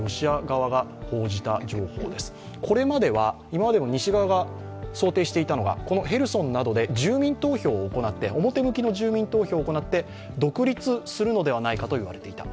今まで西側が想定していたのはヘルソンなどで表向きの住民投票を行って独立するのではないかといわれていた。